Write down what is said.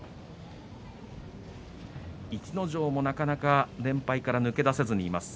逸ノ城もなかなか連敗から抜け出せずにいます。